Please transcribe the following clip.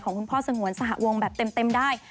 คุณพ่อสงวนสหวงแบบเต็มได้